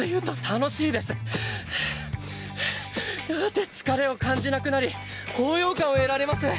やがて疲れを感じなくなり高揚感を得られます。